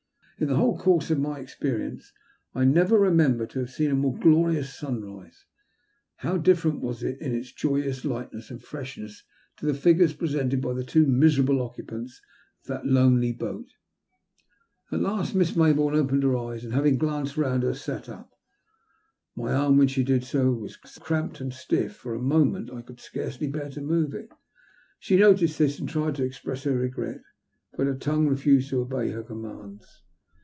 In the whole course of my experience I never remember to have seen a more glorious sunrise. How different was it in its joyous lightness and freshness to the figures presented by the two miserable occupants of that lonely boat ! At last Miss Maybourne opened her eyes, and, having glanced round her, sat up. My arm, when she did so, was so cramped and stiff that for a moment I could scarcely bear to move it. She noticed this, and tried to express her regret, but her tongue refused to obey her commands.